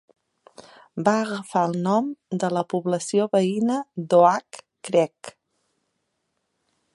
Va agafar el nom de la població veïna d'Oak Creek.